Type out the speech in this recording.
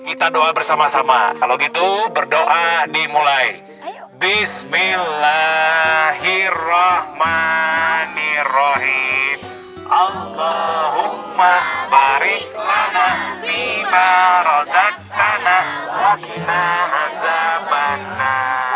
kita doa bersama sama kalau gitu berdoa dimulai bismillahirrohmanirrohim allahumma barik lana